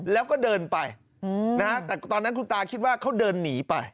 แล้วก็เดินไปนะฮะแต่ตอนนั้นคุณตาคิดว่าเขาเดินหนีไป